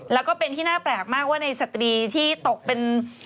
แล้วก็เป็นที่น่าแปลกมากว่าในสตรีที่ตกเป็น